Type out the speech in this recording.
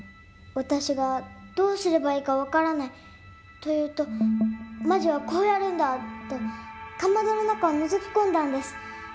私が「どうすればいいか分からない」と言うと魔女は「こうやるんだ」とかまどの中をのぞき込んだんです。